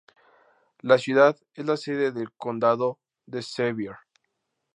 La ciudad es la sede del condado de Sevier.